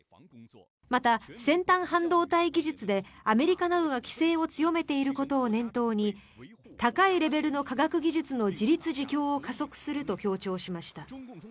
また、先端半導体技術でアメリカなどが規制を強めていることを念頭に高いレベルの科学技術の自立自強を加速すると強調しました。